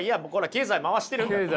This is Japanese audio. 経済回してる。